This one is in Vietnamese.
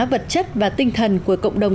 vật chất và tinh thần của cộng đồng